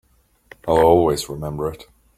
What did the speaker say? I'll always remember it.